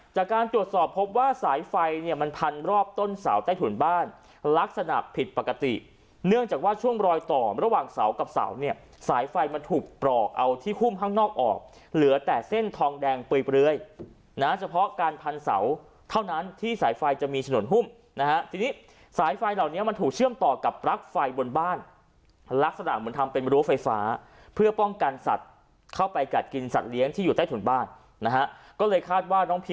จากการตรวจสอบพบว่าสายไฟเนี่ยมันพันรอบต้นเสาใต้ถุนบ้านลักษณะผิดปกติเนื่องจากว่าช่วงรอยต่อระหว่างเสากับเสาเนี่ยสายไฟมันถูกปลอกเอาที่หุ้มข้างนอกออกเหลือแต่เส้นทองแดงเปลือยนะเฉพาะการพันเสาเท่านั้นที่สายไฟจะมีถนนหุ้มนะฮะทีนี้สายไฟเหล่านี้มันถูกเชื่อมต่อกับลักษณ์ไ